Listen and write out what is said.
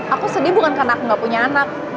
aku sedih bukan karena aku nggak punya anak